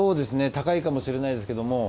高いかもしれないですけども。